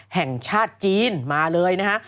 แห่งชาติจีนมาเลยนะฮะ